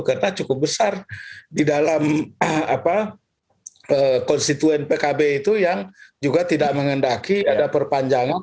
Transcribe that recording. karena cukup besar di dalam konstituen pkb itu yang juga tidak mengendaki ada perpanjangan